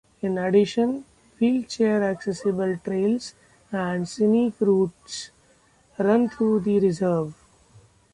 In addition, wheelchair-accessible trails and scenic routes run through the reserve.